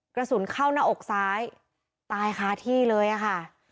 กระสุนเข้าหน้าอกซ้ายตายคาที่เลยอะค่ะ